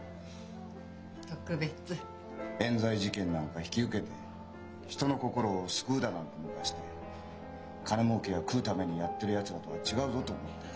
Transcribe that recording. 特別？冤罪事件なんか引き受けて人の心を救うだなんてぬかして金もうけや食うためにやってるやつらとは違うぞと思ってた。